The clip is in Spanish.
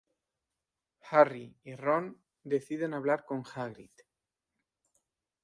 Harry y Ron deciden hablar con Hagrid.